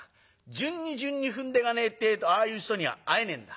順に順に踏んでいかねえってえとああいう人には会えねえんだ。